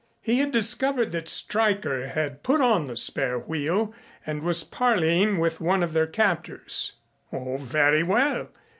He had discovered that Stryker had put on the spare wheel and was parleying with one of their captors. "Oh, very well.